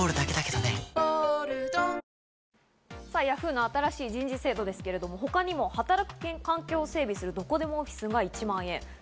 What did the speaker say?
ヤフーの新しい人事制度ですけど、他にも働く環境を整備するどこでもオフィスが１万円。